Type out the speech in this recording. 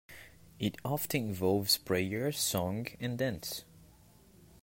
It often involves prayer, song and dance.